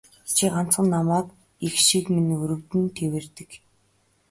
Чи ганцхан намайг эх шиг минь өрөвдөн тэвэрдэг.